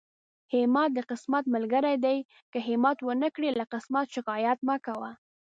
همت د قسمت ملګری دی، که همت ونکړې له قسمت شکايت مکوه.